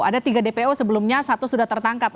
ada tiga dpo sebelumnya satu sudah tertangkap